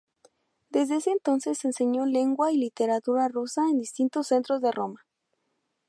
Desde entonces enseñó lengua y literatura rusa en distintos centros de Roma.